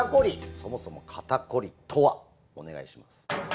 そもそも肩凝りとは？お願いします。